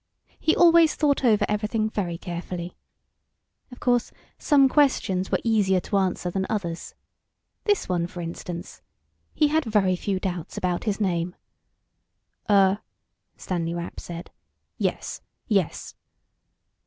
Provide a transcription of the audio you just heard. He always thought over everything very carefully. Of course, some questions were easier to answer than others. This one, for instance. He had very few doubts about his name. "Uh," Stanley Rapp said. "Yes. Yes."